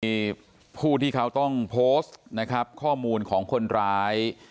มีผู้ที่เขาต้องโพสต์นะครับข้อมูลของคนร้าย